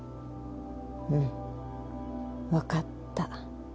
うん分かった。